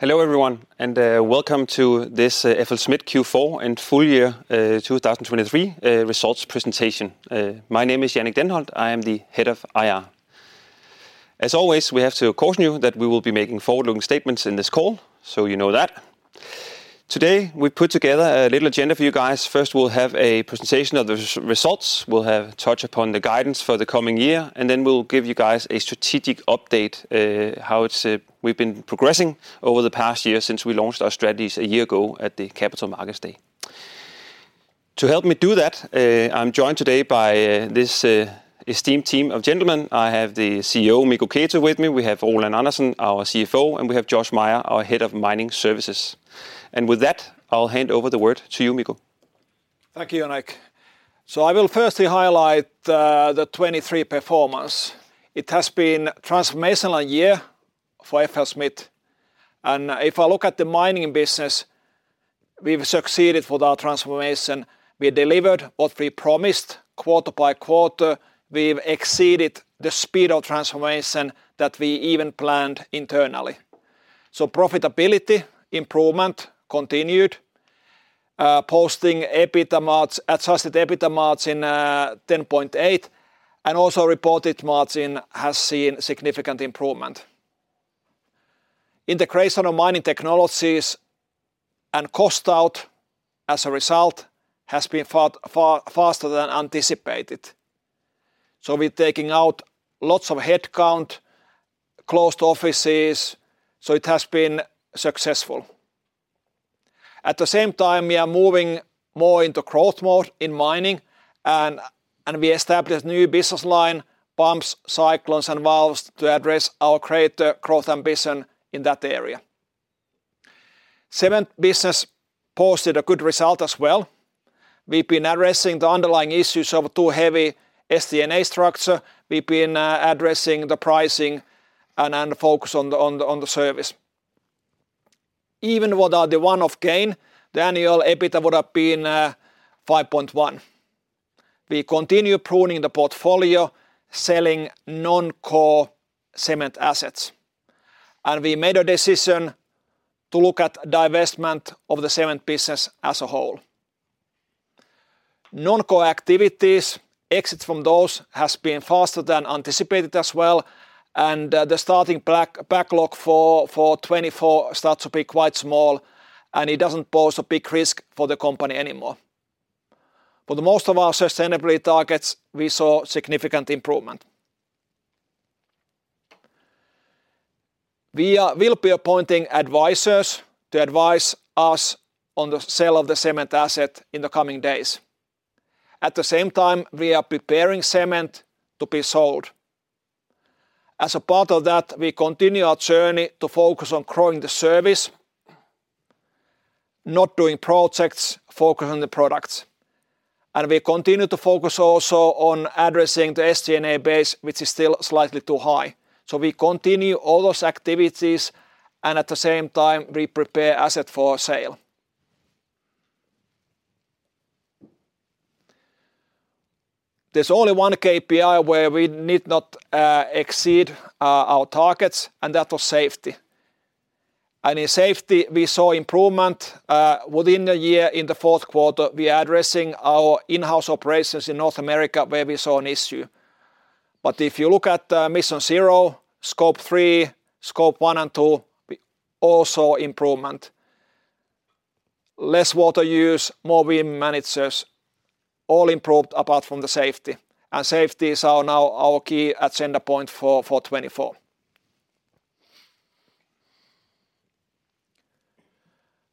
Hello everyone, and welcome to this FLSmidth Q4 and full year 2023 results presentation. My name is Jannick Denholt, I am the Head of IR. As always, we have to caution you that we will be making forward-looking statements in this call, so you know that. Today we put together a little agenda for you guys. First we'll have a presentation of the results, we'll touch upon the guidance for the coming year, and then we'll give you guys a strategic update on how we've been progressing over the past year since we launched our strategies a year ago at the Capital Markets Day. To help me do that, I'm joined today by this esteemed team of gentlemen. I have the CEO Mikko Keto with me, we have Roland Andersen, our CFO, and we have Josh Meyer, our Head of Mining Services. With that, I'll hand over the word to you, Mikko. Thank you, Jannick. I will firstly highlight the 2023 performance. It has been a transformational year for FLSmidth. And if I look at the mining business, we've succeeded with our transformation. We delivered what we promised quarter by quarter. We've exceeded the speed of transformation that we even planned internally. So profitability improvement continued. Posting adjusted EBITDA margin 10.8%, and also reported margin has seen significant improvement. Integration of mining technologies and cost out, as a result, has been faster than anticipated. So we're taking out lots of headcount, closed offices, so it has been successful. At the same time, we are moving more into growth mode in mining, and we established new business line: Pumps, Cyclones, and Valves to address our greater growth ambition in that area. Cement business posted a good result as well. We've been addressing the underlying issues of too heavy SG&A structure. We've been addressing the pricing and focus on the service. Even with the one-off gain, the annual EBITDA would have been 5.1. We continue pruning the portfolio, selling non-core cement assets. We made a decision to look at the investment of the cement business as a whole. Non-core activities, exits from those, have been faster than anticipated as well. The starting backlog for 2024 starts to be quite small, and it doesn't pose a big risk for the company anymore. For most of our sustainability targets, we saw significant improvement. We will be appointing advisors to advise us on the sale of the cement asset in the coming days. At the same time, we are preparing cement to be sold. As a part of that, we continue our journey to focus on growing the service, not doing projects focused on the products. We continue to focus also on addressing the SG&A base, which is still slightly too high. So we continue all those activities, and at the same time, we prepare assets for sale. There's only one KPI where we did not exceed our targets, and that was safety. And in safety, we saw improvement within the year. In the fourth quarter, we are addressing our in-house operations in North America where we saw an issue. But if you look at MissionZero, Scope 3, Scope 1, and 2, we also saw improvement. Less water use, more [wind managers]—all improved apart from the safety. And safety is now our key agenda point for 2024.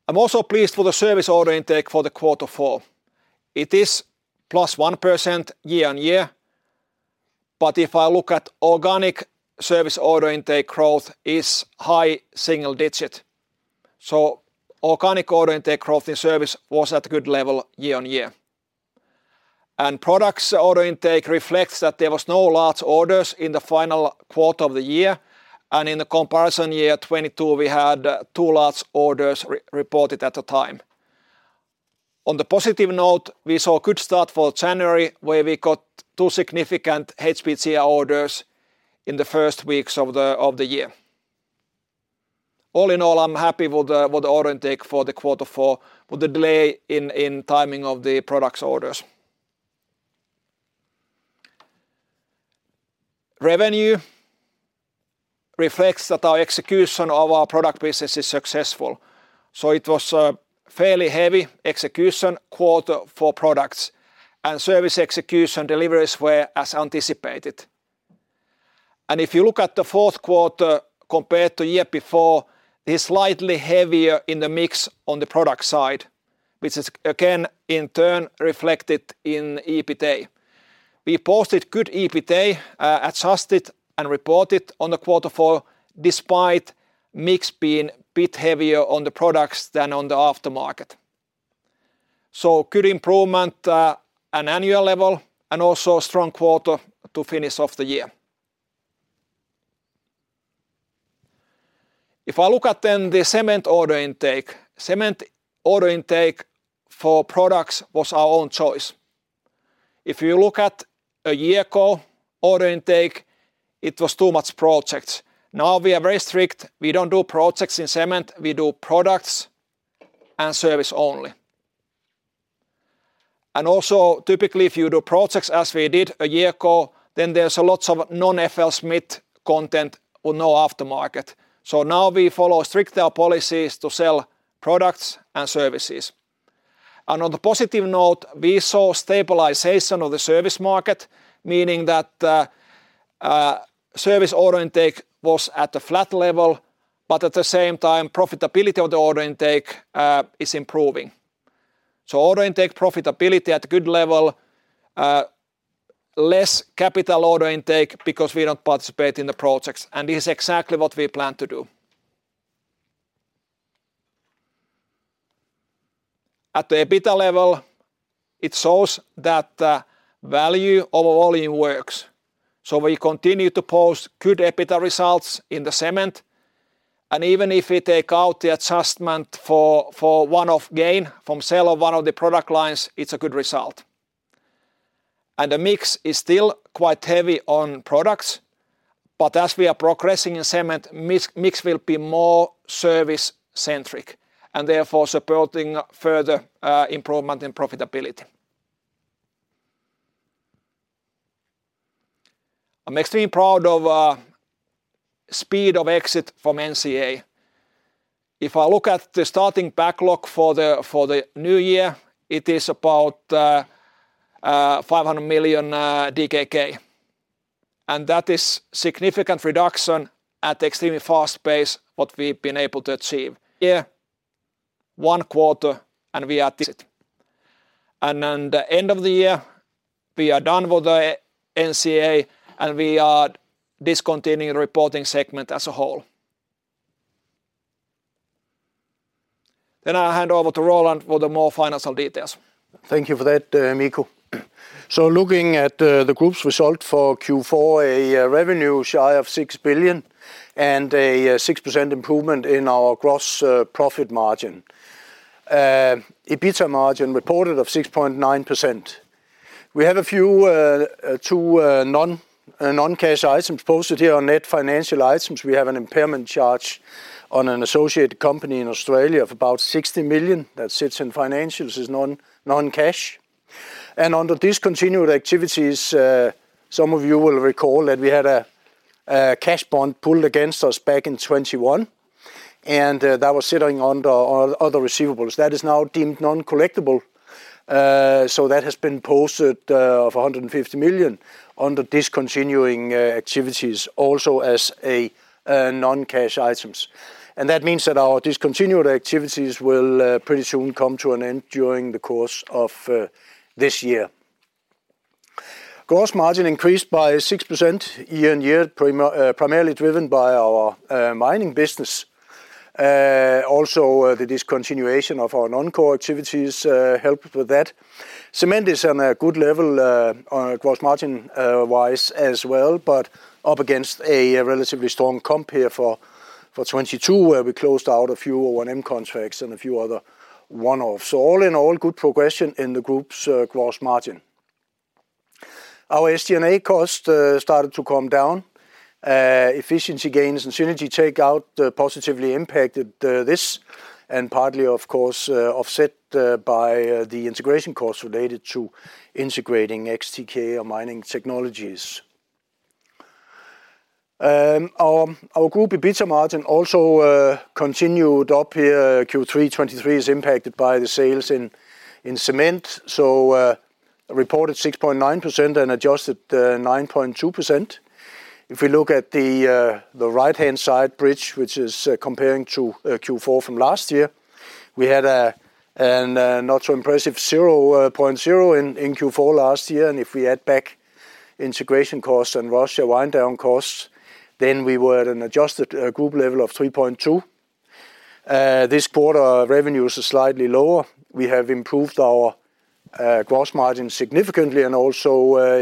I'm also pleased with the service order intake for quarter four. It is +1% year-on-year. But if I look at organic service order intake growth, it is high single digit. So organic order intake growth in service was at a good level year-on-year. Products order intake reflects that there were no large orders in the final quarter of the year. In the comparison year 2022, we had two large orders reported at the time. On the positive note, we saw a good start for January where we got two significant HPGR orders in the first weeks of the year. All in all, I'm happy with the order intake for quarter four, with the delay in timing of the products orders. Revenue reflects that our execution of our product business is successful. So it was a fairly heavy execution quarter for products. Service execution deliveries were as anticipated. If you look at the fourth quarter compared to the year before, it is slightly heavier in the mix on the product side, which is again, in turn, reflected in EBITDA. We posted good EBITDA, adjusted and reported on quarter four, despite the mix being a bit heavier on the products than on the aftermarket. Good improvement at an annual level and also a strong quarter to finish off the year. If I look at then the cement order intake, cement order intake for products was our own choice. If you look at a year ago order intake, it was too much projects. Now we are very strict. We don't do projects in cement. We do products and service only. And also, typically, if you do projects as we did a year ago, then there's lots of non-FLSmidth content with no aftermarket. So now we follow stricter policies to sell products and services. On the positive note, we saw stabilization of the service market, meaning that service order intake was at a flat level. At the same time, profitability of the order intake is improving. Order intake profitability at a good level, less capital order intake because we don't participate in the projects. This is exactly what we plan to do. At the EBITDA level, it shows that the value of volume works. We continue to post good EBITDA results in the cement. Even if we take out the adjustment for one-off gain from sale of one of the product lines, it's a good result. The mix is still quite heavy on products. As we are progressing in cement, the mix will be more service-centric and therefore supporting further improvement in profitability. I'm extremely proud of the speed of exit from NCA. If I look at the starting backlog for the new year, it is about 500 million DKK. That is a significant reduction at an extremely fast pace what we've been able to achieve year one, quarter one, and we are it. And at the end of the year, we are done with the NCA, and we are discontinuing the reporting segment as a whole. Then I hand over to Roland for the more financial details. Thank you for that, Mikko. So looking at the group's result for Q4, a revenue shy of 6 billion and a 6% improvement in our gross profit margin. EBITDA margin reported of 6.9%. We have two non-cash items posted here on net financial items. We have an impairment charge on an associated company in Australia of about 60 million that sits in financials as non-cash. And under discontinued activities, some of you will recall that we had a cash bond pulled against us back in 2021. And that was sitting under other receivables. That is now deemed non-collectible. So that has been posted of 150 million under discontinued activities, also as non-cash items. And that means that our discontinued activities will pretty soon come to an end during the course of this year. Gross margin increased by 6% year-on-year, primarily driven by our mining business. Also, the discontinuation of our non-core activities helped with that. Cement is on a good level gross margin-wise as well, but up against a relatively strong comp here for 2022, where we closed out a few O&M contracts and a few other one-offs. So all in all, good progression in the group's gross margin. Our SG&A cost started to come down. Efficiency gains and synergy takeout positively impacted this, and partly, of course, offset by the integration costs related to integrating TK mining technologies. Our group EBITDA margin also continued up here. Q3 2023 is impacted by the sales in cement. So reported 6.9% and adjusted 9.2%. If we look at the right-hand side bridge, which is comparing to Q4 from last year, we had a not-so-impressive 0.0% in Q4 last year. If we add back integration costs and Russia wind-down costs, then we were at an adjusted group level of 3.2%. This quarter, revenues are slightly lower. We have improved our gross margin significantly, and also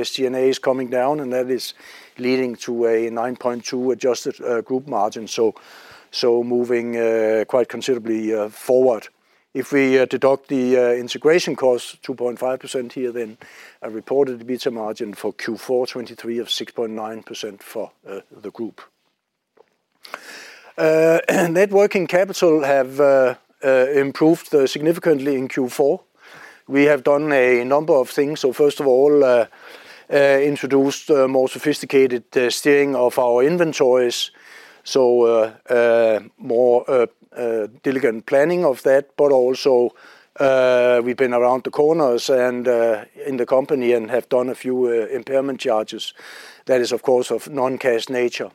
SG&A is coming down, and that is leading to a 9.2% adjusted group margin. So moving quite considerably forward. If we deduct the integration costs, 2.5% here, then a reported EBITDA margin for Q4 2023 of 6.9% for the group. Net working capital has improved significantly in Q4. We have done a number of things. So first of all, introduced more sophisticated steering of our inventories. So more diligent planning of that. But also, we've been around the corners in the company and have done a few impairment charges. That is, of course, of non-cash nature.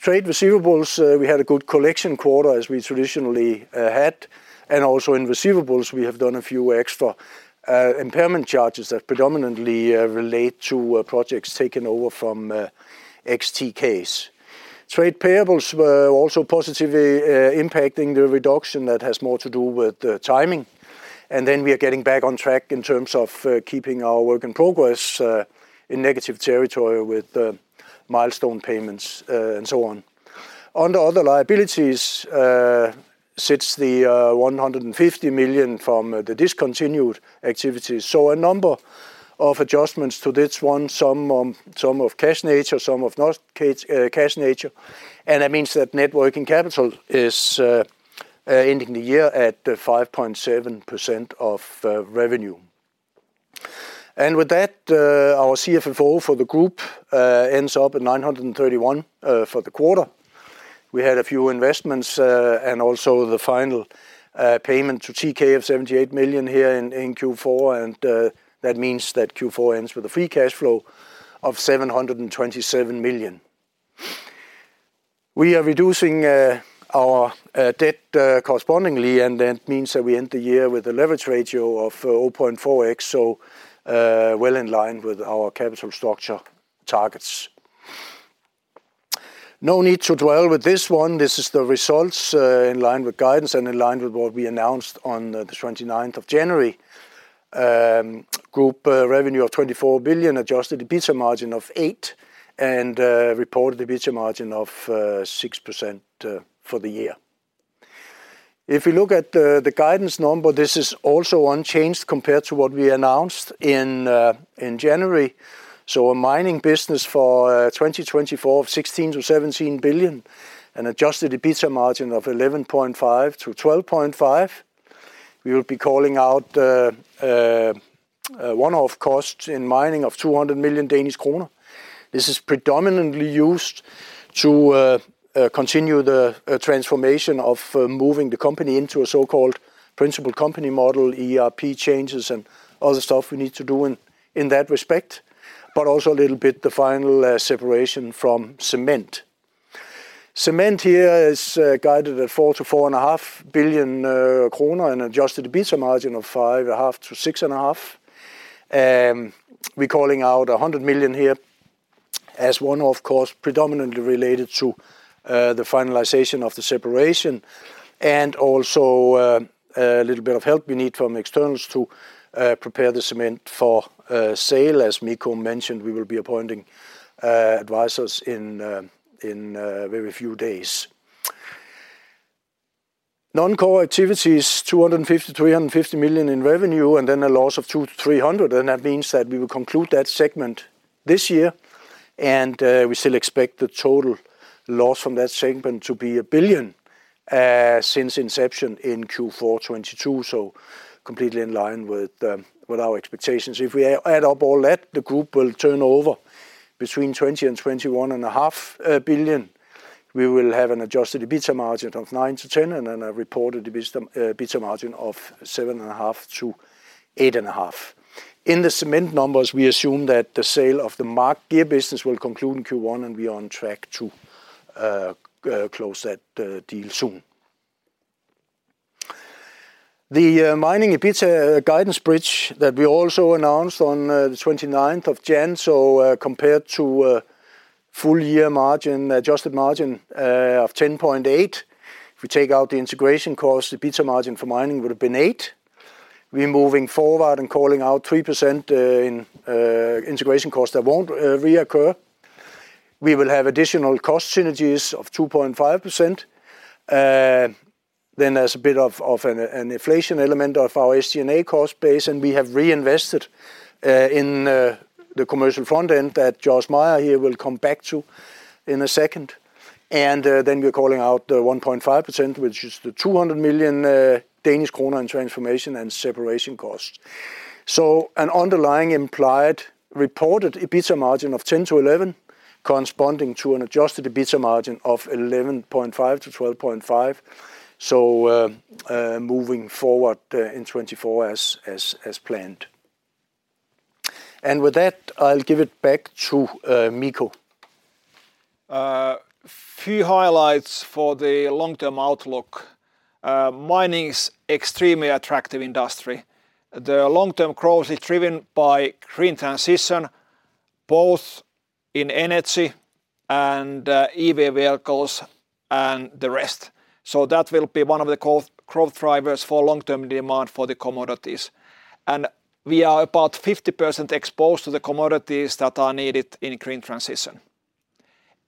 Trade receivables, we had a good collection quarter as we traditionally had. And also in receivables, we have done a few extra impairment charges that predominantly relate to projects taken over from TKs. Trade payables were also positively impacting the reduction that has more to do with timing. And then we are getting back on track in terms of keeping our work in progress in negative territory with milestone payments and so on. Under other liabilities sits the 150 million from the discontinued activities. So a number of adjustments to this one, some of cash nature, some of non-cash nature. And that means that net working capital is ending the year at 5.7% of revenue. And with that, our CFFO for the group ends up at 931 million for the quarter. We had a few investments and also the final payment to TK of 78 million here in Q4. And that means that Q4 ends with a free cash flow of 727 million. We are reducing our debt correspondingly, and that means that we end the year with a leverage ratio of 0.4x. So well in line with our capital structure targets. No need to dwell with this one. This is the results in line with guidance and in line with what we announced on the 29th of January. Group revenue of 24 billion, Adjusted EBITDA margin of 8%, and reported EBITDA margin of 6% for the year. If we look at the guidance number, this is also unchanged compared to what we announced in January. So a mining business for 2024 of 16 billion-17 billion and Adjusted EBITDA margin of 11.5%-12.5%. We will be calling out one-off costs in mining of 200 million Danish kroner. This is predominantly used to continue the transformation of moving the company into a so-called principal company model, ERP changes, and other stuff we need to do in that respect. But also a little bit the final separation from cement. Cement here is guided at 4 billion-4.5 billion kroner and Adjusted EBITDA margin of 5.5%-6.5%. We're calling out 100 million here as one-off costs predominantly related to the finalization of the separation. And also a little bit of help we need from externals to prepare the cement for sale. As Mikko mentioned, we will be appointing advisors in very few days. Non-core activities, 250 million-350 million in revenue, and then a loss of 200 million-300 million. And that means that we will conclude that segment this year. And we still expect the total loss from that segment to be 1 billion since inception in Q4 2022. So completely in line with our expectations. If we add up all that, the group will turn over between 20 billion and 21.5 billion. We will have an Adjusted EBITDA margin of 9%-10% and then a reported EBITDA margin of 7.5%-8.5%. In the cement numbers, we assume that the sale of the MAAG Gear business will conclude in Q1, and we are on track to close that deal soon. The mining EBITDA guidance bridge that we also announced on the 29th of January. So compared to a full year margin, adjusted margin of 10.8%. If we take out the integration costs, the EBITDA margin for mining would have been 8%. We're moving forward and calling out 3% in integration costs that won't reoccur. We will have additional cost synergies of 2.5%. Then there's a bit of an inflation element of our SG&A cost base. We have reinvested in the commercial front end that Josh Meyer here will come back to in a second. Then we're calling out the 1.5%, which is the 200 million Danish kroner in transformation and separation costs. So an underlying implied reported EBITDA margin of 10%-11% corresponding to an Adjusted EBITDA margin of 11.5%-12.5%. So moving forward in 2024 as planned. With that, I'll give it back to Mikko. A few highlights for the long-term outlook. Mining is an extremely attractive industry. The long-term growth is driven by green transition, both in energy and EV vehicles and the rest. So that will be one of the growth drivers for long-term demand for the commodities. We are about 50% exposed to the commodities that are needed in green transition.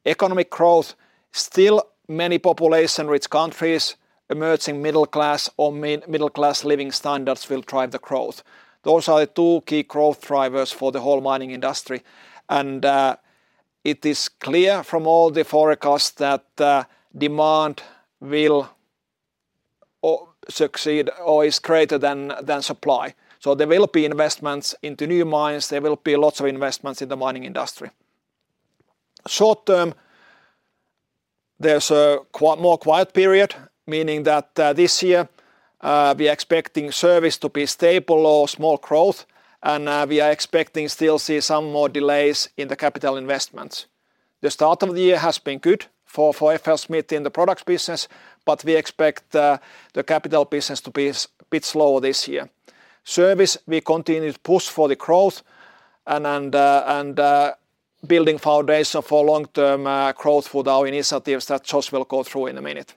Economic growth. Still, many population-rich countries, emerging middle class or middle class living standards will drive the growth. Those are the two key growth drivers for the whole mining industry. It is clear from all the forecasts that demand will succeed or is greater than supply. There will be investments into new mines. There will be lots of investments in the mining industry. Short-term, there's a more quiet period, meaning that this year we are expecting service to be stable or small growth. We are expecting still to see some more delays in the capital investments. The start of the year has been good for FLSmidth in the products business. We expect the capital business to be a bit slower this year. Service, we continue to push for the growth and building foundation for long-term growth with our initiatives that Josh will go through in a minute.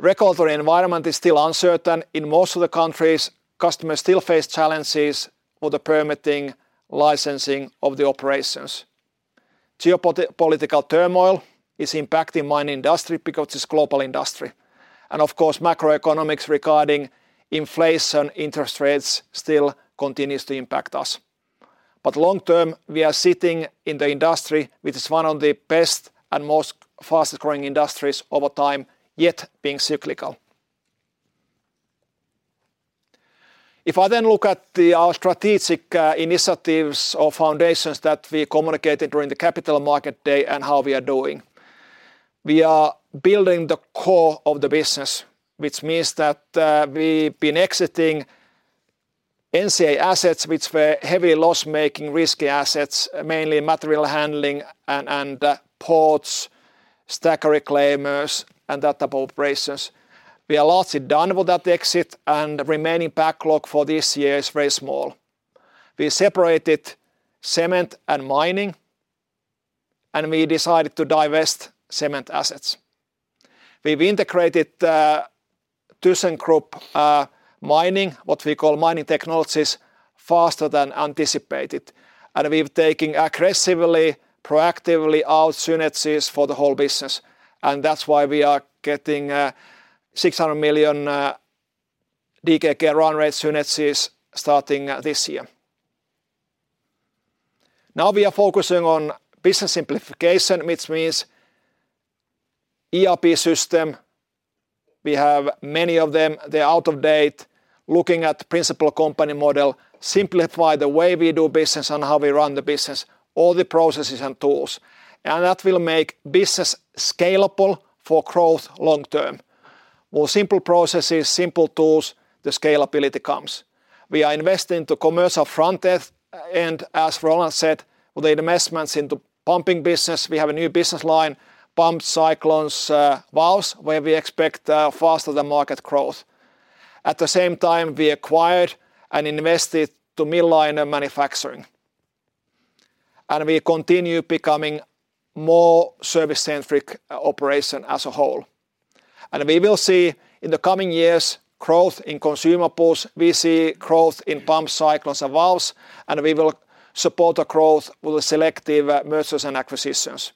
The current environment is still uncertain. In most of the countries, customers still face challenges with the permitting, licensing of the operations. Geopolitical turmoil is impacting the mining industry because it's a global industry. And of course, macroeconomics regarding inflation, interest rates still continue to impact us. But long term, we are sitting in the industry, which is one of the best and most fastest-growing industries over time, yet being cyclical. If I then look at our strategic initiatives or foundations that we communicated during the Capital Market Day and how we are doing, we are building the core of the business, which means that we've been exiting NCA assets, which were heavy loss-making, risky assets, mainly material handling and ports, stacker reclaimers, and that type of operations. We are largely done with that exit, and remaining backlog for this year is very small. We separated cement and mining, and we decided to divest cement assets. We've integrated thyssenkrupp mining, what we call mining technologies, faster than anticipated. And we've taken aggressively, proactively out synergies for the whole business. And that's why we are getting 600 million DKK run rate synergies starting this year. Now we are focusing on business simplification, which means ERP system. We have many of them. They're out of date. Looking at Principal Company Model, simplify the way we do business and how we run the business, all the processes and tools. That will make business scalable for growth long term. More simple processes, simple tools, the scalability comes. We are investing into commercial front end. As Roland said, with the investments into pumping business, we have a new business line, pumps, cyclones, valves, where we expect faster-than-market growth. At the same time, we acquired and invested in mill liner manufacturing. We continue becoming more service-centric operations as a whole. We will see in the coming years growth in consumables. We see growth in pumps, cyclones, and valves. We will support the growth with selective mergers and acquisitions.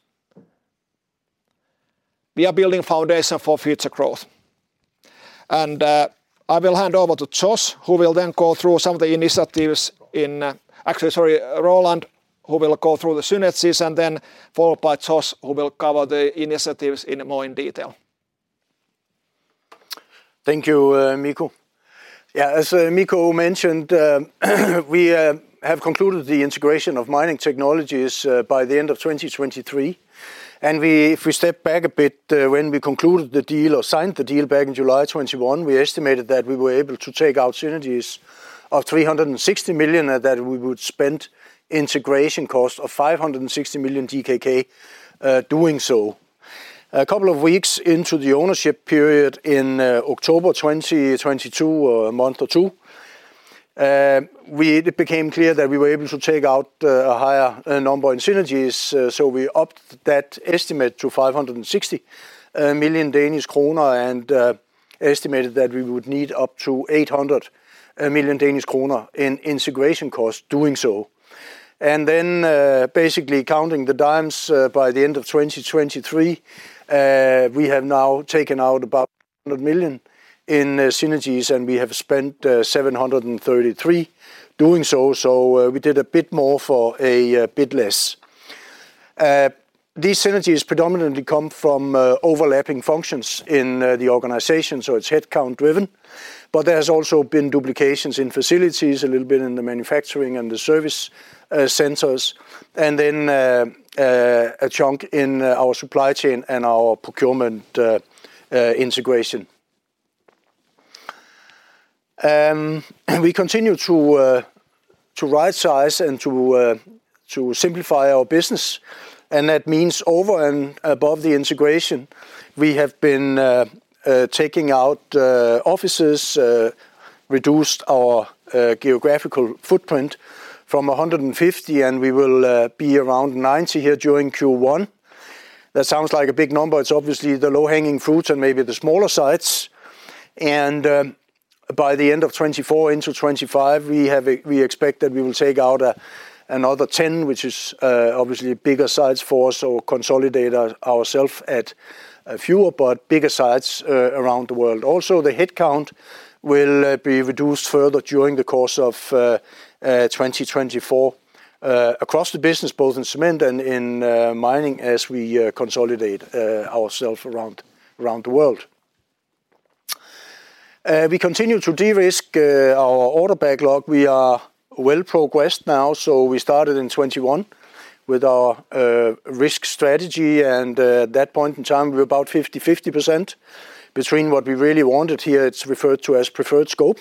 We are building foundation for future growth. I will hand over to Josh, who will then go through some of the initiatives in... Actually, sorry, Roland, who will go through the synergies. And then followed by Josh, who will cover the initiatives in more detail. Thank you, Mikko. Yeah, as Mikko mentioned, we have concluded the integration of mining technologies by the end of 2023. And if we step back a bit, when we concluded the deal or signed the deal back in July 2021, we estimated that we were able to take out synergies of 360 million and that we would spend integration costs of 560 million DKK doing so. A couple of weeks into the ownership period in October 2022, a month or two, it became clear that we were able to take out a higher number in synergies. So we upped that estimate to 560 million Danish kroner and estimated that we would need up to 800 million Danish kroner in integration costs doing so. Then basically counting the dimes by the end of 2023, we have now taken out about 100 million in synergies, and we have spent 733 million doing so. So we did a bit more for a bit less. These synergies predominantly come from overlapping functions in the organization. So it's headcount-driven. But there have also been duplications in facilities, a little bit in the manufacturing and the service centers. And then a chunk in our supply chain and our procurement integration. We continue to right-size and to simplify our business. And that means over and above the integration, we have been taking out offices, reduced our geographical footprint from 150, and we will be around 90 here during Q1. That sounds like a big number. It's obviously the low-hanging fruits and maybe the smaller sites. By the end of 2024 into 2025, we expect that we will take out another 10, which is obviously bigger sites for us or consolidate ourselves at fewer, but bigger sites around the world. Also, the headcount will be reduced further during the course of 2024 across the business, both in cement and in mining, as we consolidate ourselves around the world. We continue to de-risk our order backlog. We are well progressed now. So we started in 2021 with our risk strategy. And at that point in time, we were about 50%-50% between what we really wanted here, it's referred to as preferred scope,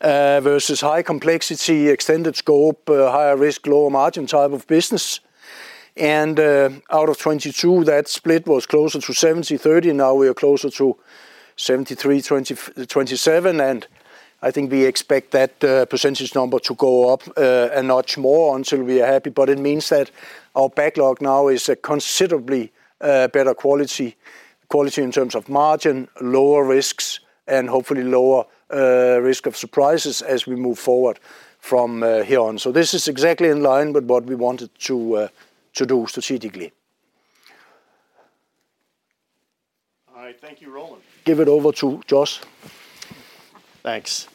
versus high complexity, extended scope, higher risk, lower margin type of business. And out of 2022, that split was closer to 70%-30%. Now we are closer to 73%-27%. I think we expect that percentage number to go up a notch more until we are happy. It means that our backlog now is a considerably better quality in terms of margin, lower risks, and hopefully lower risk of surprises as we move forward from here on. This is exactly in line with what we wanted to do strategically. All right. Thank you, Roland. Give it over to Josh. Thanks.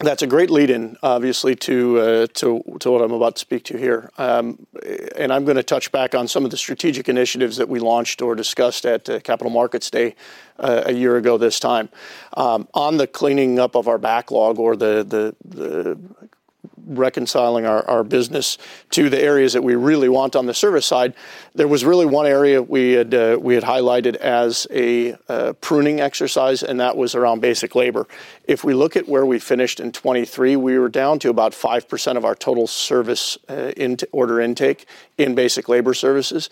That's a great lead-in, obviously, to what I'm about to speak to here. I'm going to touch back on some of the strategic initiatives that we launched or discussed at Capital Markets Day a year ago this time. On the cleaning up of our backlog or the reconciling our business to the areas that we really want on the service side, there was really one area we had highlighted as a pruning exercise, and that was around basic labor. If we look at where we finished in 2023, we were down to about 5% of our total service order intake in basic labor services.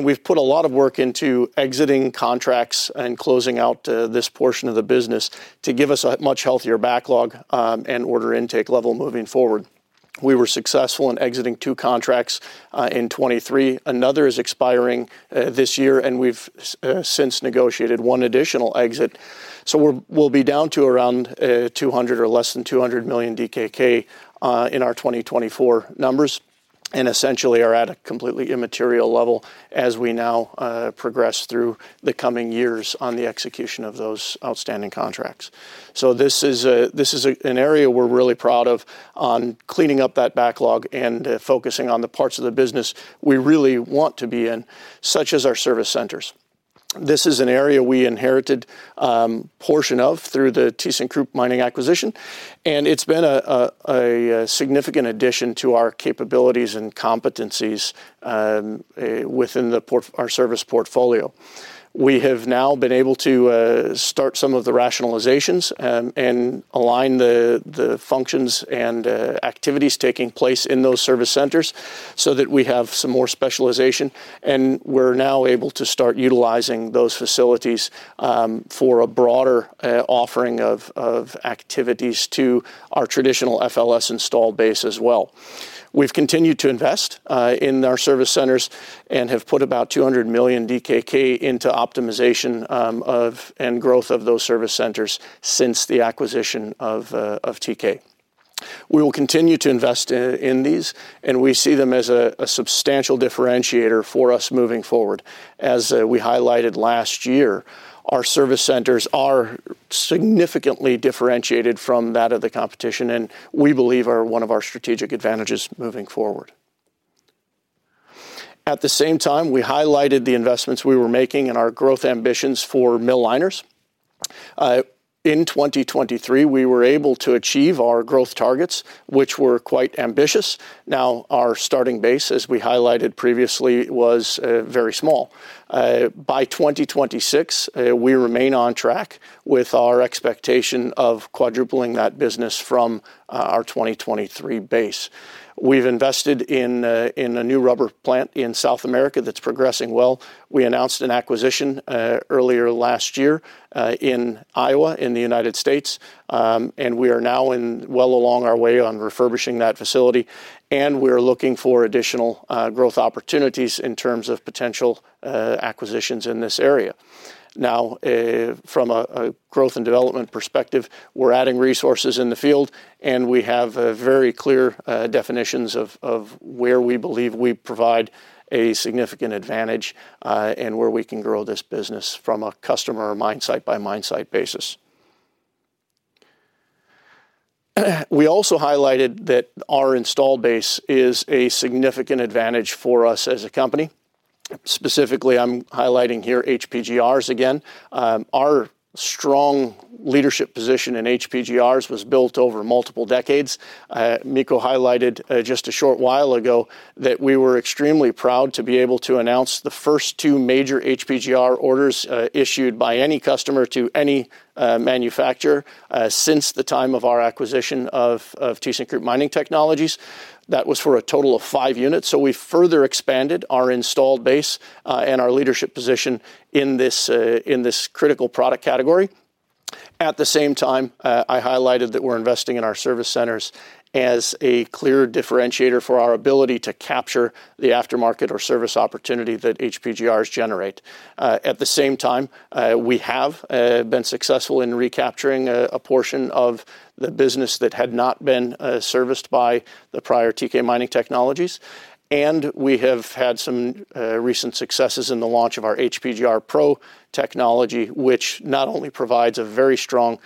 We've put a lot of work into exiting contracts and closing out this portion of the business to give us a much healthier backlog and order intake level moving forward. We were successful in exiting two contracts in 2023. Another is expiring this year, and we've since negotiated one additional exit. So we'll be down to around 200 million or less than 200 million DKK in our 2024 numbers. And essentially, we are at a completely immaterial level as we now progress through the coming years on the execution of those outstanding contracts. So this is an area we're really proud of on cleaning up that backlog and focusing on the parts of the business we really want to be in, such as our service centers. This is an area we inherited a portion of through the thyssenkrupp Mining acquisition. And it's been a significant addition to our capabilities and competencies within our service portfolio. We have now been able to start some of the rationalizations and align the functions and activities taking place in those service centers so that we have some more specialization. We're now able to start utilizing those facilities for a broader offering of activities to our traditional FLS install base as well. We've continued to invest in our service centers and have put about 200 million DKK into optimization and growth of those service centers since the acquisition of TK. We will continue to invest in these, and we see them as a substantial differentiator for us moving forward. As we highlighted last year, our service centers are significantly differentiated from that of the competition, and we believe are one of our strategic advantages moving forward. At the same time, we highlighted the investments we were making and our growth ambitions for mill liners. In 2023, we were able to achieve our growth targets, which were quite ambitious. Now, our starting base, as we highlighted previously, was very small. By 2026, we remain on track with our expectation of quadrupling that business from our 2023 base. We've invested in a new rubber plant in South America that's progressing well. We announced an acquisition earlier last year in Iowa in the United States. We are now well along our way on refurbishing that facility. We are looking for additional growth opportunities in terms of potential acquisitions in this area. Now, from a growth and development perspective, we're adding resources in the field, and we have very clear definitions of where we believe we provide a significant advantage and where we can grow this business from a customer or mine site by mine site basis. We also highlighted that our installed base is a significant advantage for us as a company. Specifically, I'm highlighting here HPGRs again. Our strong leadership position in HPGRs was built over multiple decades. Mikko highlighted just a short while ago that we were extremely proud to be able to announce the first two major HPGR orders issued by any customer to any manufacturer since the time of our acquisition of thyssenkrupp Mining Technologies. That was for a total of five units. So we further expanded our installed base and our leadership position in this critical product category. At the same time, I highlighted that we're investing in our service centers as a clear differentiator for our ability to capture the aftermarket or service opportunity that HPGRs generate. At the same time, we have been successful in recapturing a portion of the business that had not been serviced by the prior TK mining technologies. We have had some recent successes in the launch of our HPGR Pro technology, which not only provides a very strong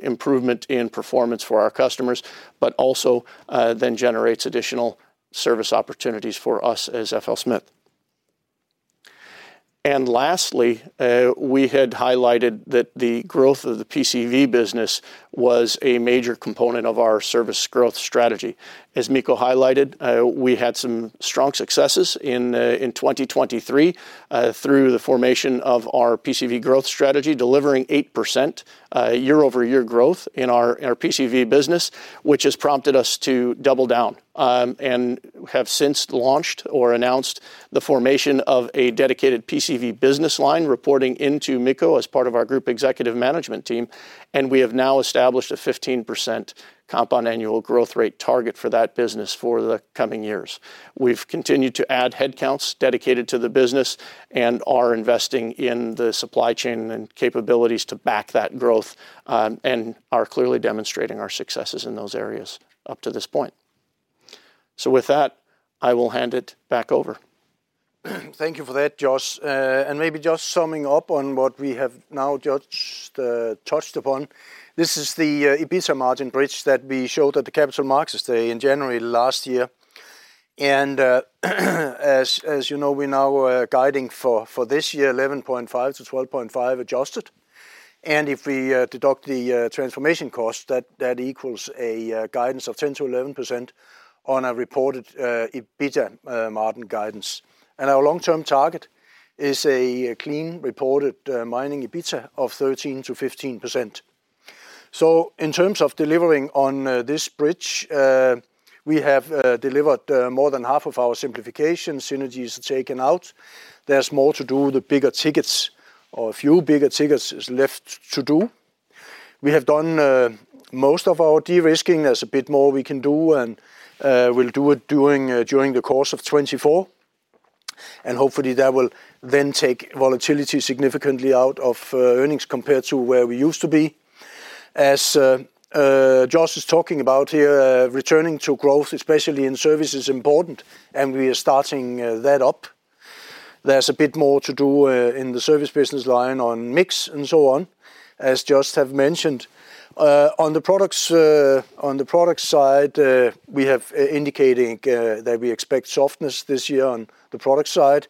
improvement in performance for our customers, but also then generates additional service opportunities for us as FLSmidth. Lastly, we had highlighted that the growth of the PCV business was a major component of our service growth strategy. As Mikko highlighted, we had some strong successes in 2023 through the formation of our PCV growth strategy, delivering 8% year-over-year growth in our PCV business, which has prompted us to double down and have since launched or announced the formation of a dedicated PCV business line reporting into Mikko as part of our group executive management team. We have now established a 15% compound annual growth rate target for that business for the coming years. We've continued to add headcounts dedicated to the business and are investing in the supply chain and capabilities to back that growth and are clearly demonstrating our successes in those areas up to this point. So with that, I will hand it back over. Thank you for that, Josh. Maybe just summing up on what we have now touched upon, this is the EBITDA margin bridge that we showed at the Capital Markets Day in January last year. As you know, we're now guiding for this year, 11.5%-12.5% adjusted. If we deduct the transformation cost, that equals a guidance of 10%-11% on a reported EBITDA margin guidance. Our long-term target is a clean reported mining EBITDA of 13%-15%. So in terms of delivering on this bridge, we have delivered more than half of our simplification synergies taken out. There's more to do, the bigger tickets or a few bigger tickets left to do. We have done most of our de-risking. There's a bit more we can do, and we'll do it during the course of 2024. Hopefully, that will then take volatility significantly out of earnings compared to where we used to be. As Josh is talking about here, returning to growth, especially in service, is important, and we are starting that up. There's a bit more to do in the service business line on mix and so on, as Josh has mentioned. On the product side, we have indicated that we expect softness this year on the product side.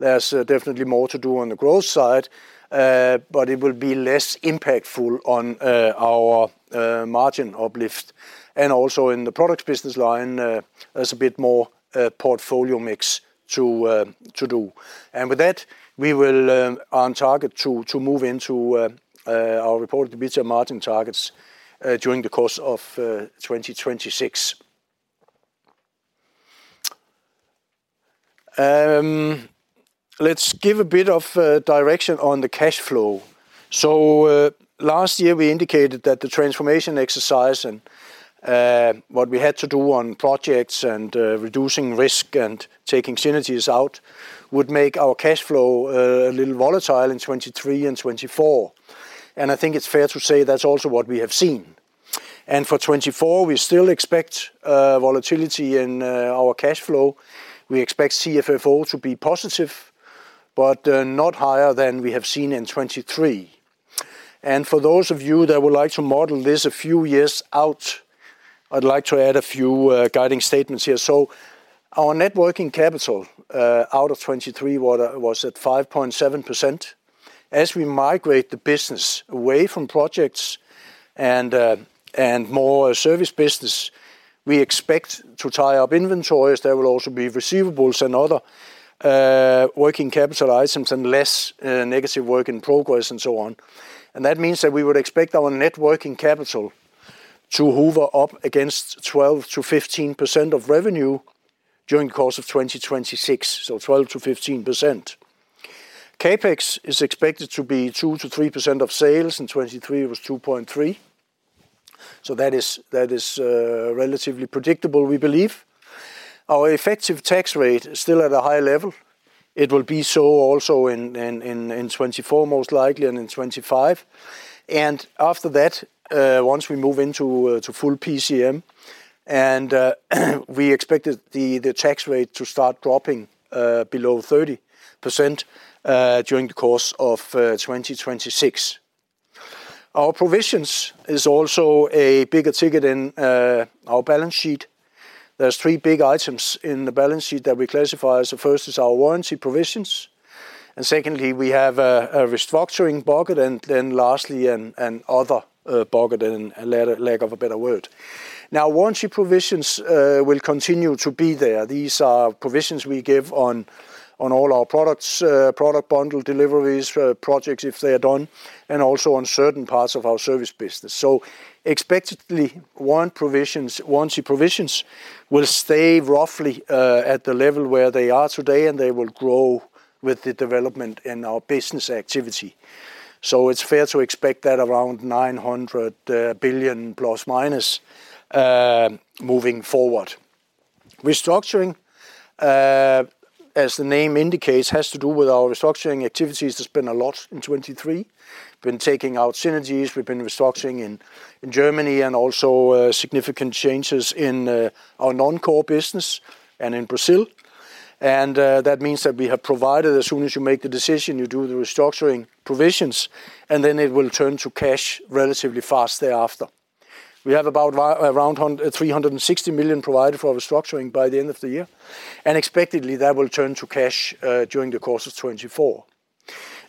There's definitely more to do on the growth side, but it will be less impactful on our margin uplift. And also in the product business line, there's a bit more portfolio mix to do. And with that, we will be on target to move into our reported EBITDA margin targets during the course of 2026. Let's give a bit of direction on the cash flow. Last year, we indicated that the transformation exercise and what we had to do on projects and reducing risk and taking synergies out would make our cash flow a little volatile in 2023 and 2024. I think it's fair to say that's also what we have seen. For 2024, we still expect volatility in our cash flow. We expect CFFO to be positive, but not higher than we have seen in 2023. For those of you that would like to model this a few years out, I'd like to add a few guiding statements here. Our net working capital out of 2023 was at 5.7%. As we migrate the business away from projects and more service business, we expect to tie up inventories. There will also be receivables and other working capital items and less negative work in progress and so on. That means that we would expect our net working capital to hover up against 12%-15% of revenue during the course of 2026, so 12%-15%. CapEx is expected to be 2%-3% of sales. In 2023, it was 2.3%. That is relatively predictable, we believe. Our effective tax rate is still at a high level. It will be so also in 2024, most likely, and in 2025. After that, once we move into full PCM, we expect the tax rate to start dropping below 30% during the course of 2026. Our provisions are also a bigger ticket in our balance sheet. There's three big items in the balance sheet that we classify as the first is our warranty provisions. And secondly, we have a restructuring bucket. And then lastly, another bucket, a lack of a better word. Now, warranty provisions will continue to be there. These are provisions we give on all our products, product bundle deliveries, projects if they are done, and also on certain parts of our service business. So expectedly, warranty provisions will stay roughly at the level where they are today, and they will grow with the development in our business activity. So it's fair to expect that around 900 billion ± moving forward. Restructuring, as the name indicates, has to do with our restructuring activities. There's been a lot in 2023. We've been taking out synergies. We've been restructuring in Germany and also significant changes in our non-core business and in Brazil. And that means that we have provided as soon as you make the decision, you do the restructuring provisions, and then it will turn to cash relatively fast thereafter. We have about 360 million provided for restructuring by the end of the year. Expectedly, that will turn to cash during the course of 2024.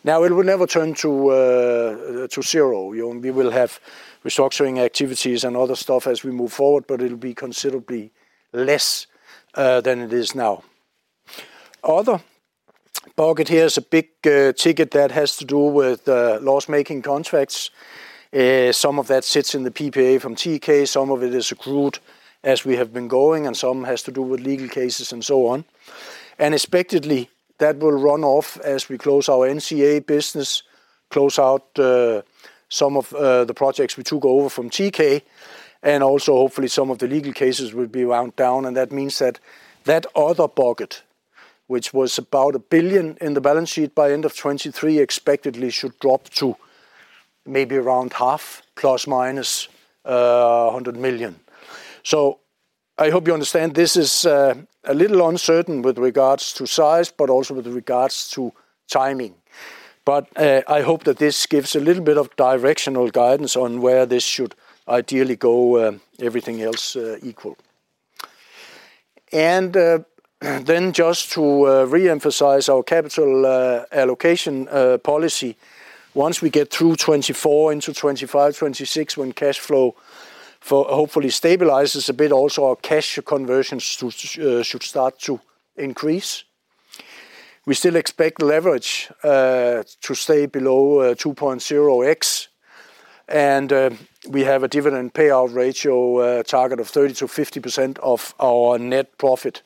Now, it will never turn to zero. We will have restructuring activities and other stuff as we move forward, but it'll be considerably less than it is now. Other bucket here is a big ticket that has to do with loss-making contracts. Some of that sits in the PPA from TK. Some of it is accrued as we have been going, and some has to do with legal cases and so on. Expectedly, that will run off as we close our NCA business, close out some of the projects we took over from TK. Also, hopefully, some of the legal cases will be rounded down. And that means that that other bucket, which was about 1 billion in the balance sheet by end of 2023, expectedly should drop to maybe around DKK 500 million ± 100 million. So I hope you understand. This is a little uncertain with regards to size, but also with regards to timing. But I hope that this gives a little bit of directional guidance on where this should ideally go, everything else equal. And then just to reemphasize our capital allocation policy, once we get through 2024 into 2025, 2026, when cash flow hopefully stabilizes a bit, also our cash conversions should start to increase. We still expect leverage to stay below 2.0x. And we have a dividend payout ratio target of 30%-50% of our net profit.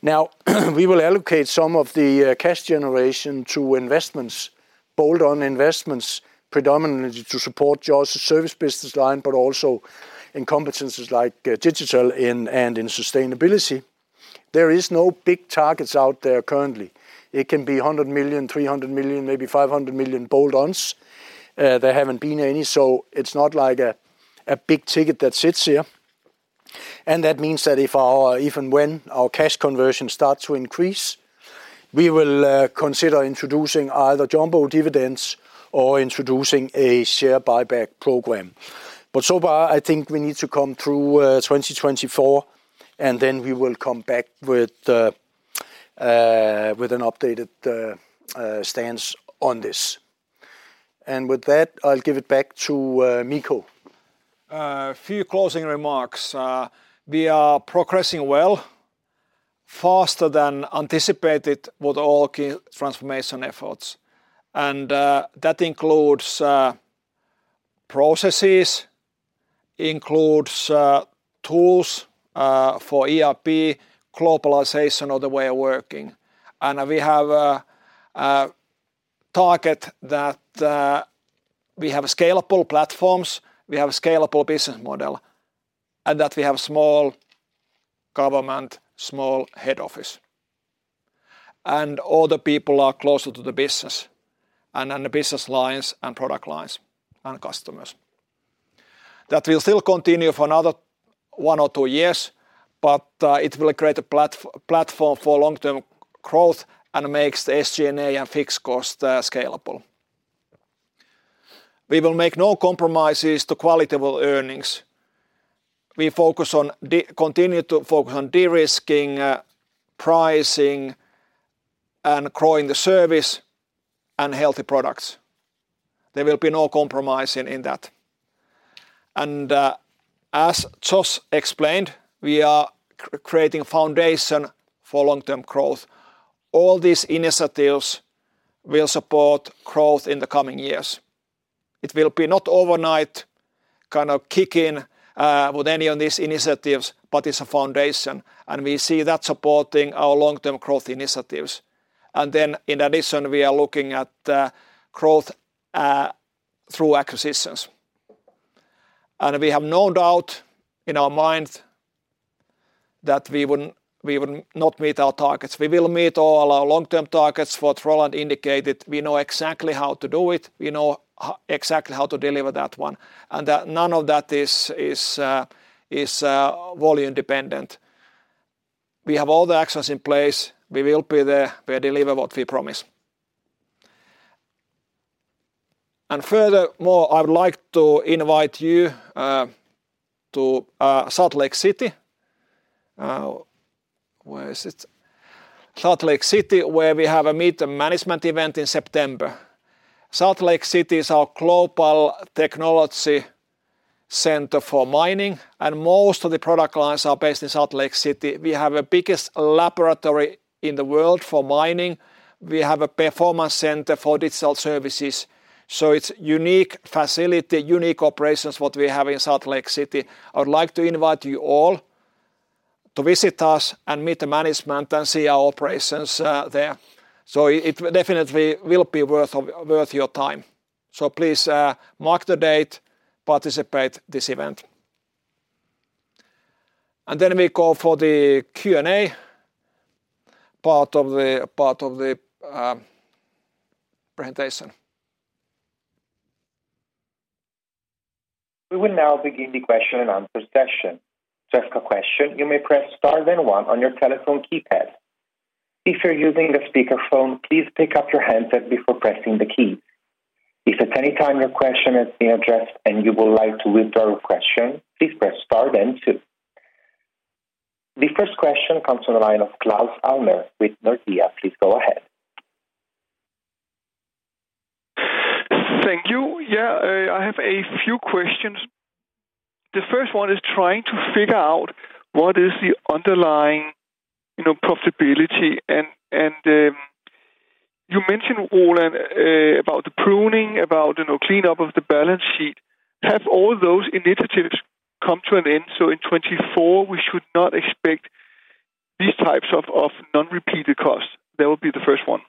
Now, we will allocate some of the cash generation to investments, bolt-on investments, predominantly to support Josh's service business line, but also in competences like digital and in sustainability. There are no big targets out there currently. It can be 100 million, 300 million, maybe 500 million bolt-ons. There haven't been any. So it's not like a big ticket that sits here. And that means that if our even when our cash conversion starts to increase, we will consider introducing either jumbo dividends or introducing a share buyback program. But so far, I think we need to come through 2024, and then we will come back with an updated stance on this. And with that, I'll give it back to Mikko. A few closing remarks. We are progressing well. Faster than anticipated with all transformation efforts. And that includes processes, includes tools for ERP, globalization of the way of working. We have a target that we have scalable platforms, we have a scalable business model, and that we have a small government, small head office. All the people are closer to the business and the business lines and product lines and customers. That will still continue for another one or two years, but it will create a platform for long-term growth and makes the SG&A and fixed costs scalable. We will make no compromises to quality of earnings. We focus on continue to focus on de-risking, pricing, and growing the service and healthy products. There will be no compromise in that. As Josh explained, we are creating a foundation for long-term growth. All these initiatives will support growth in the coming years. It will be not overnight kind of kicking with any of these initiatives, but it's a foundation. We see that supporting our long-term growth initiatives. Then in addition, we are looking at growth through acquisitions. And we have no doubt in our minds that we would not meet our targets. We will meet all our long-term targets as Roland indicated. We know exactly how to do it. We know exactly how to deliver that one. And none of that is volume-dependent. We have all the actions in place. We will be there. We deliver what we promise. And furthermore, I would like to invite you to Salt Lake City. Where is it? Salt Lake City, where we have a meet-the-management event in September. Salt Lake City is our global technology center for mining, and most of the product lines are based in Salt Lake City. We have the biggest laboratory in the world for mining. We have a performance center for digital services. So it's a unique facility, unique operations what we have in Salt Lake City. I would like to invite you all to visit us and meet the management and see our operations there. So it definitely will be worth your time. So please mark the date, participate in this event. And then we go for the Q&A part of the presentation. We will now begin the question-and-answer session. To ask a question, you may press star then one on your telephone keypad. If you're using a speakerphone, please pick up your handset before pressing the key. If at any time your question has been addressed and you would like to withdraw your question, please press star then two. The first question comes from the line of Claus Almer with Nordea. Please go ahead. Thank you. Yeah, I have a few questions. The first one is trying to figure out what is the underlying profitability. And you mentioned, Roland, about the pruning, about the cleanup of the balance sheet. Have all those initiatives come to an end so in 2024 we should not expect these types of non-repeated costs? That would be the first one.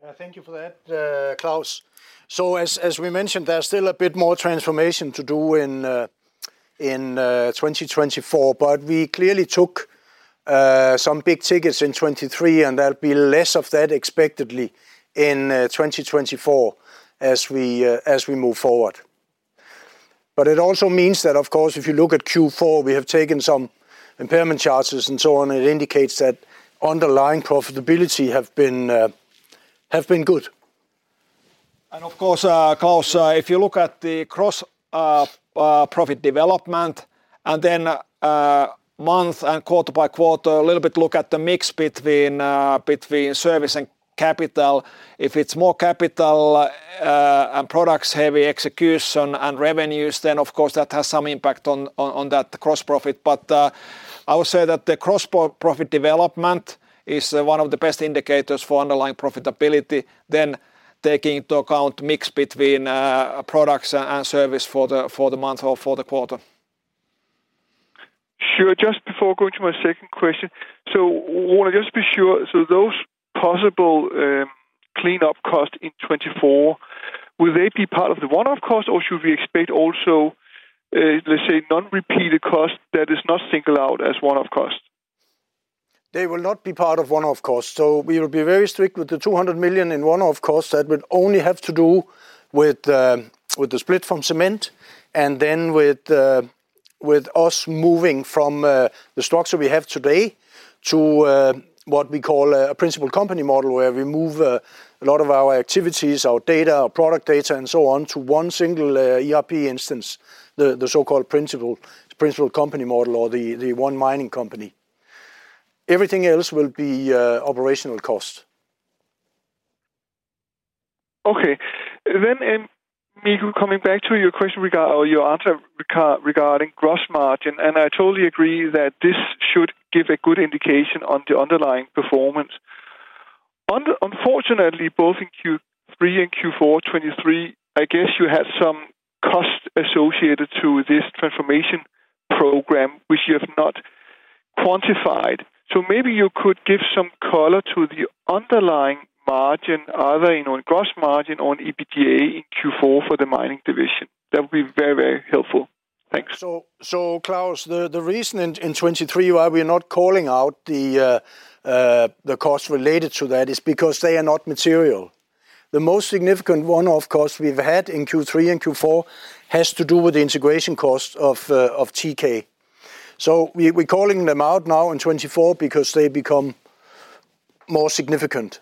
Yeah, thank you for that, Klaus. So as we mentioned, there's still a bit more transformation to do in 2024, but we clearly took some big tickets in 2023, and there'll be less of that expectedly in 2024 as we move forward. But it also means that, of course, if you look at Q4, we have taken some impairment charges and so on. It indicates that underlying profitability has been good. And of course, Klaus, if you look at the gross-profit development and then month and quarter by quarter, a little bit look at the mix between service and capital. If it's more capital and products-heavy execution and revenues, then of course that has some impact on that gross-profit. I would say that the gross-profit development is one of the best indicators for underlying profitability, then taking into account mix between products and service for the month or for the quarter. Sure. Just before going to my second question, so Roland, just to be sure, so those possible cleanup costs in 2024, will they be part of the one-off cost, or should we expect also, let's say, non-repeated cost that is not singled out as one-off cost? They will not be part of one-off costs. So we will be very strict with the 200 million in one-off costs that would only have to do with the split from cement and then with us moving from the structure we have today to what we call a principal company model, where we move a lot of our activities, our data, our product data, and so on, to one single ERP instance, the so-called principal company model or the one mining company. Everything else will be operational costs. Okay. Then, Mikko, coming back to your question or your answer regarding gross margin. I totally agree that this should give a good indication on the underlying performance. Unfortunately, both in Q3 and Q4 2023, I guess you had some cost associated to this transformation program, which you have not quantified. Maybe you could give some color to the underlying margin, either in gross margin or in EPGA in Q4 for the mining division. That would be very, very helpful. Thanks. Klaus, the reason in 2023 why we are not calling out the costs related to that is because they are not material. The most significant one-off cost we've had in Q3 and Q4 has to do with the integration cost of TK. We're calling them out now in 2024 because they become more significant.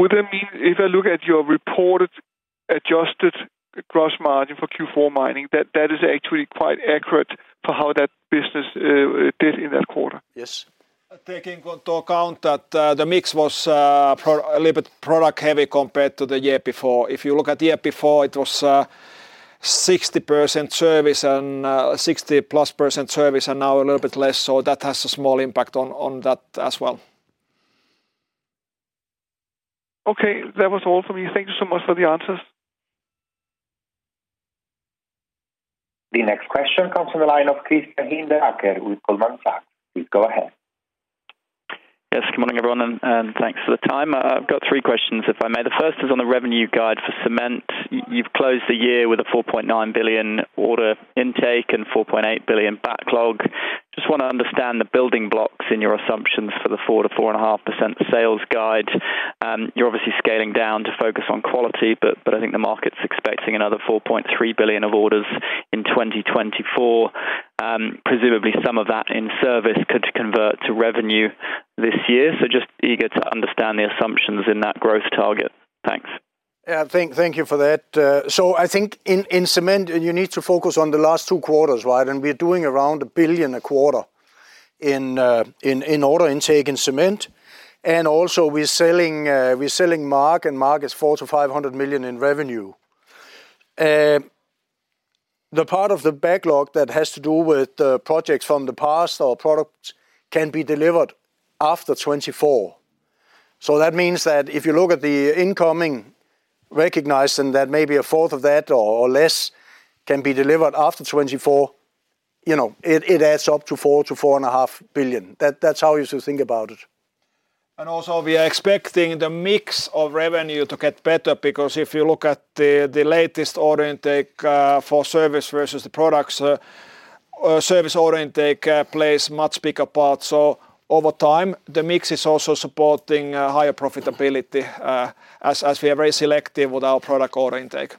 Would that mean if I look at your reported adjusted gross margin for Q4 mining, that is actually quite accurate for how that business did in that quarter? Yes. Taking into account that the mix was a little bit product-heavy compared to the year before. If you look at the year before, it was 60% service and 60+% service and now a little bit less. So that has a small impact on that as well. Okay. That was all from me. Thank you so much for the answers. The next question comes from the line of Christian Hinderaker with Goldman Sachs. Please go ahead. Yes. Good morning, everyone, and thanks for the time. I've got three questions, if I may. The first is on the revenue guide for cement. You've closed the year with a 4.9 billion order intake and 4.8 billion backlog. Just want to understand the building blocks in your assumptions for the 4%-4.5% sales guide. You're obviously scaling down to focus on quality, but I think the market's expecting another 4.3 billion of orders in 2024. Presumably, some of that in service could convert to revenue this year. So just eager to understand the assumptions in that growth target. Thanks. Yeah, thank you for that. So I think in cement, you need to focus on the last two quarters, right? And we're doing around 1 billion a quarter in order intake in cement. And also, we're selling MAAG, and MAAG is 400 million-500 million in revenue. The part of the backlog that has to do with projects from the past or products can be delivered after 2024. So that means that if you look at the incoming recognized, and that maybe a fourth of that or less can be delivered after 2024, it adds up to 4 billion-4.5 billion. That's how you should think about it. And also, we are expecting the mix of revenue to get better because if you look at the latest order intake for service versus the products, service order intake plays a much bigger part. Over time, the mix is also supporting higher profitability as we are very selective with our product order intake.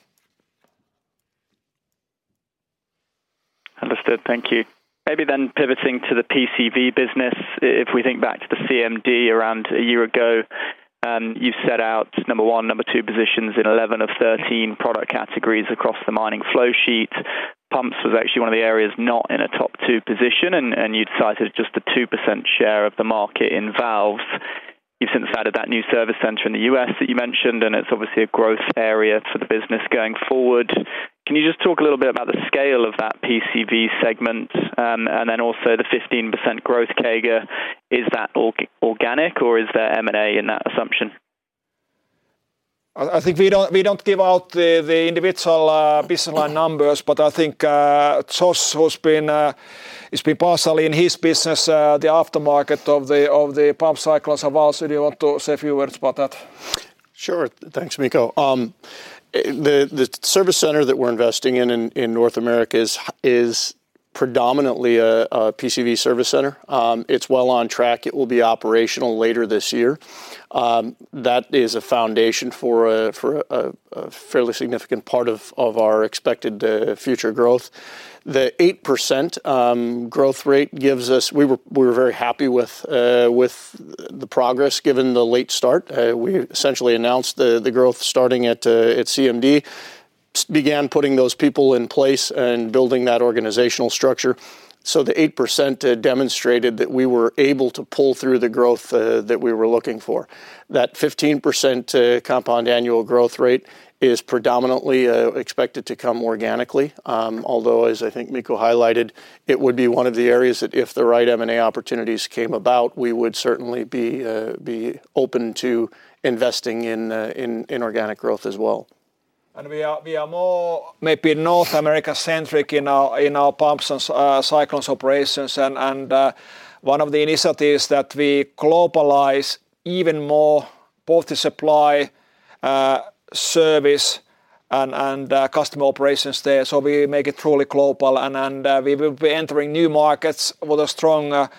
Understood. Thank you. Maybe then pivoting to the PCV business. If we think back to the CMD around a year ago, you set out number one, number two positions in 11 of 13 product categories across the mining flow sheet. Pumps was actually one of the areas not in a top two position, and you'd cited just a 2% share of the market in valves. You've since added that new service center in the U.S. that you mentioned, and it's obviously a growth area for the business going forward. Can you just talk a little bit about the scale of that PCV segment and then also the 15% growth CAGR? Is that organic, or is there M&A in that assumption? I think we don't give out the individual business line numbers, but I think Josh has been partially in his business, the aftermarket of the pump cyclones and valves. If you want to say a few words about that. Sure. Thanks, Mikko. The service center that we're investing in in North America is predominantly a PCV service center. It's well on track. It will be operational later this year. That is a foundation for a fairly significant part of our expected future growth. The 8% growth rate gives us we were very happy with the progress given the late start. We essentially announced the growth starting at CMD, began putting those people in place and building that organizational structure. So the 8% demonstrated that we were able to pull through the growth that we were looking for. That 15% compound annual growth rate is predominantly expected to come organically, although, as I think Mikko highlighted, it would be one of the areas that if the right M&A opportunities came about, we would certainly be open to investing in organic growth as well. We are more maybe North America-centric in our pumps and cyclones operations. One of the initiatives is that we globalize even more both the supply service and customer operations there. We make it truly global. We will be entering new markets with a strong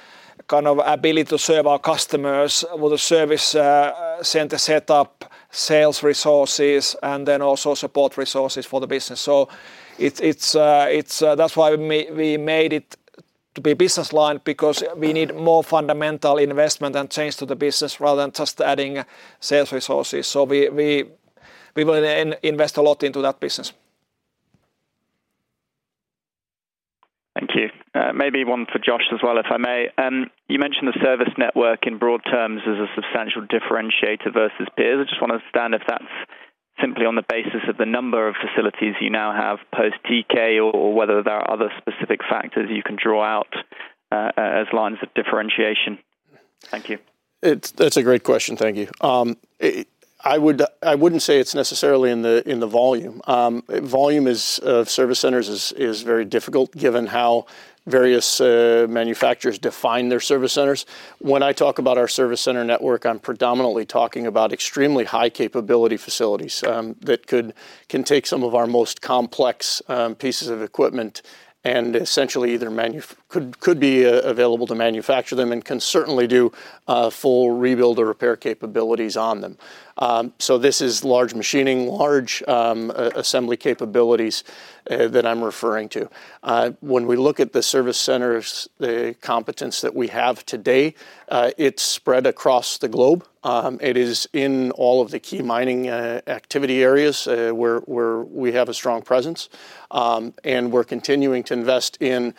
kind of ability to serve our customers with a service center setup, sales resources, and then also support resources for the business. That's why we made it to be business line because we need more fundamental investment and change to the business rather than just adding sales resources. We will invest a lot into that business. Thank you. Maybe one for Josh as well, if I may. You mentioned the service network in broad terms as a substantial differentiator versus peers. I just want to understand if that's simply on the basis of the number of facilities you now have post-TK or whether there are other specific factors you can draw out as lines of differentiation. Thank you. That's a great question. Thank you. I wouldn't say it's necessarily in the volume. Volume of service centers is very difficult given how various manufacturers define their service centers. When I talk about our service center network, I'm predominantly talking about extremely high-capability facilities that can take some of our most complex pieces of equipment and essentially either could be available to manufacture them and can certainly do full rebuild or repair capabilities on them. So this is large machining, large assembly capabilities that I'm referring to. When we look at the service centers, the competence that we have today, it's spread across the globe. It is in all of the key mining activity areas where we have a strong presence. We're continuing to invest in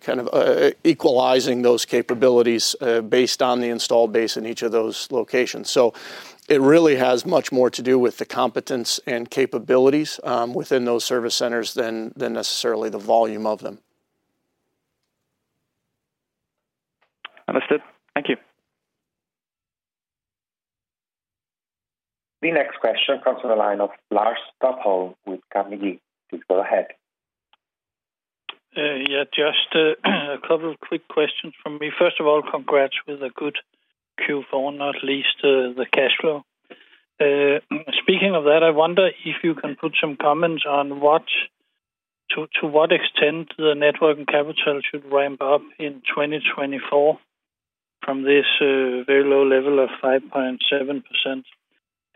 kind of equalizing those capabilities based on the installed base in each of those locations. It really has much more to do with the competence and capabilities within those service centers than necessarily the volume of them. Understood. Thank you. The next question comes from the line of Lars Topholm with Carnegie. Please go ahead. Yeah, just a couple of quick questions from me. First of all, congrats with a good Q4, not least the cash flow. Speaking of that, I wonder if you can put some comments on to what extent the net working capital should ramp up in 2024 from this very low level of 5.7%.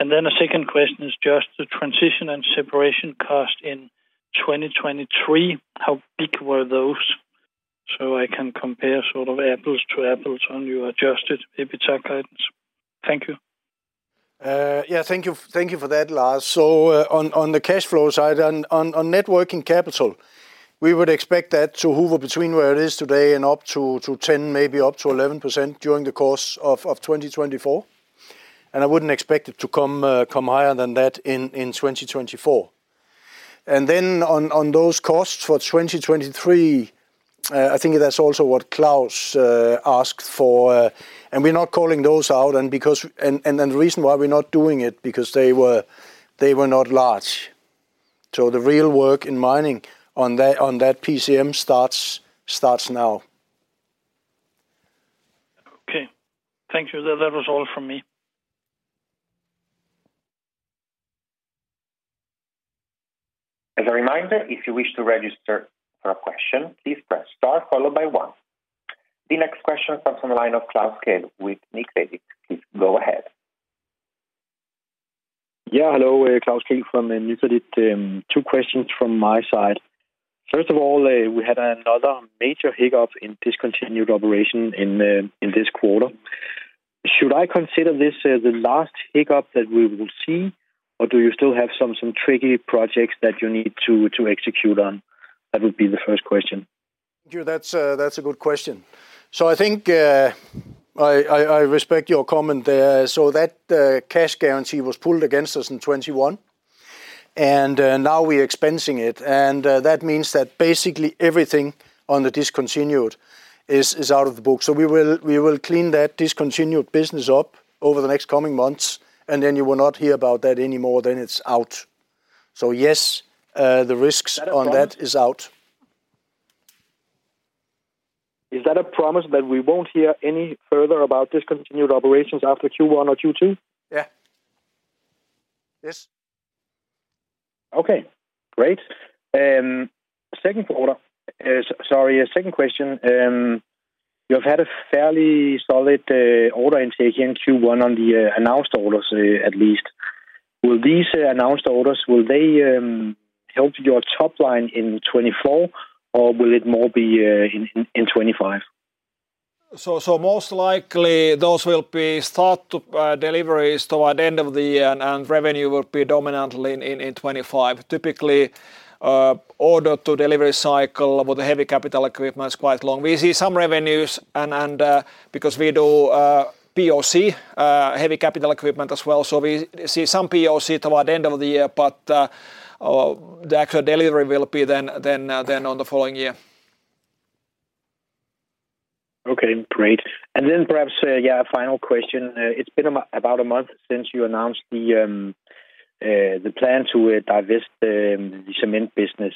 And then a second question is just the transition and separation cost in 2023. How big were those? So I can compare sort of apples to apples on your adjusted EBITDA guidance. Thank you. Yeah, thank you for that, Lars. So on the cash flow side, on net working capital, we would expect that to hover between where it is today and up to 10%, maybe up to 11% during the course of 2024. And I wouldn't expect it to come higher than that in 2024. And then on those costs for 2023, I think that's also what Klaus asked for. And we're not calling those out. And the reason why we're not doing it is because they were not large. So the real work in mining on that PCM starts now. Okay. Thank you. That was all from me. As a reminder, if you wish to register for a question, please press star, followed by one. The next question comes from the line of Klaus Kehl with Nykredit. Please go ahead. Yeah. Hello, Klaus Kehl from Nykredit. Two questions from my side. First of all, we had another major hiccup in discontinued operation in this quarter. Should I consider this the last hiccup that we will see, or do you still have some tricky projects that you need to execute on? That would be the first question. Thank you. That's a good question. So I think I respect your comment there. So that cash guarantee was pulled against us in 2021, and now we're expensing it. And that means that basically everything on the discontinued is out of the book. So we will clean that discontinued business up over the next coming months, and then you will not hear about that anymore than it's out. So yes, the risks on that is out. Is that a promise that we won't hear any further about discontinued operations after Q1 or Q2? Yeah. Yes. Okay. Great. Second quarter. Sorry, second question. You have had a fairly solid order intake here in Q1 on the announced orders, at least. Will these announced orders, will they help your top line in 2024, or will it more be in 2025? So most likely, those will be start to deliveries toward the end of the year, and revenue will be dominantly in 2025. Typically, order to delivery cycle with heavy capital equipment is quite long. We see some revenues because we do POC, heavy capital equipment as well. So we see some POC toward the end of the year, but the actual delivery will be then on the following year. Okay. Great. And then perhaps, yeah, final question. It's been about a month since you announced the plan to divest the cement business.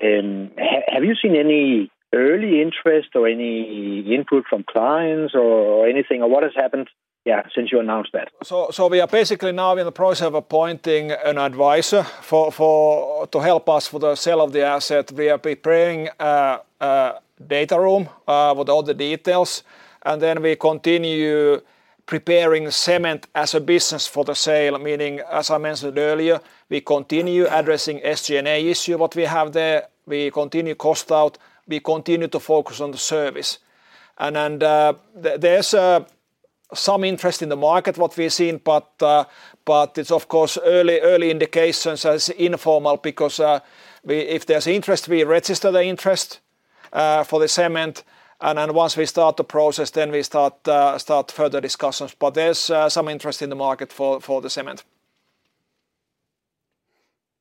Have you seen any early interest or any input from clients or anything, or what has happened, yeah, since you announced that? So basically, now we're in the process of appointing an advisor to help us with the sale of the asset. We are preparing a data room with all the details. Then we continue preparing cement as a business for the sale, meaning, as I mentioned earlier, we continue addressing SG&A issue what we have there. We continue cost out. We continue to focus on the service. And there's some interest in the market what we've seen, but it's, of course, early indications as informal because if there's interest, we register the interest for the cement. Once we start the process, then we start further discussions. But there's some interest in the market for the cement.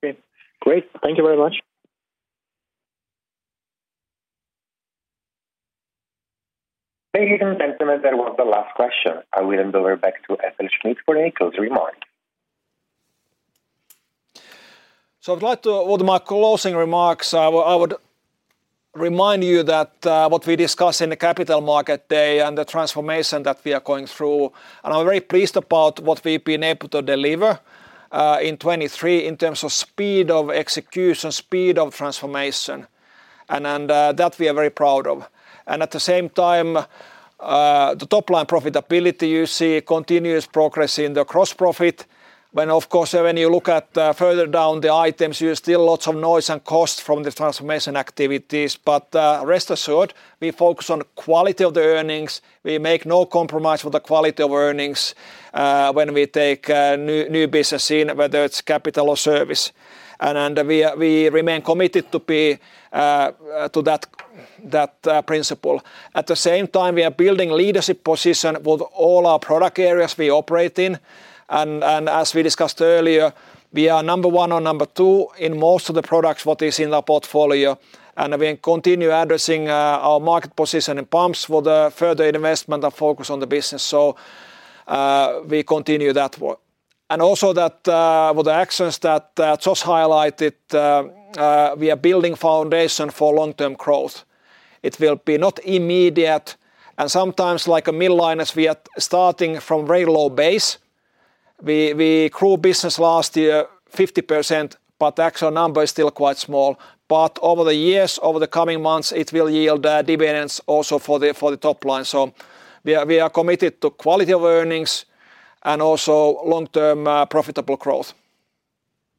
Okay. Great. Thank you very much. Ladies and gentlemen, that was the last question. I will hand over back to FLSmidth for a closing remark. So I would like to, with my closing remarks, remind you that what we discussed in the Capital Markets Day and the transformation that we are going through, and I'm very pleased about what we've been able to deliver in 2023 in terms of speed of execution, speed of transformation, and that we are very proud of. And at the same time, the top line profitability, you see continuous progress in the gross profit. When, of course, when you look at further down the items, you still have lots of noise and cost from the transformation activities. But rest assured, we focus on quality of the earnings. We make no compromise with the quality of earnings when we take new business in, whether it's capital or service. And we remain committed to that principle. At the same time, we are building leadership position with all our product areas we operate in. As we discussed earlier, we are number one or number two in most of the products what is in our portfolio. We continue addressing our market position in pumps with further investment and focus on the business. We continue that. Also with the actions that Josh highlighted, we are building a foundation for long-term growth. It will be not immediate. Sometimes, like a mill liners, we are starting from a very low base. We grew business last year 50%, but the actual number is still quite small. Over the years, over the coming months, it will yield dividends also for the top line. We are committed to quality of earnings and also long-term profitable growth.